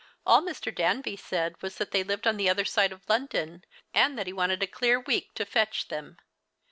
All Mr, Danby said was that they lived on the other side of London, and that he wanted a clear week to fetch them.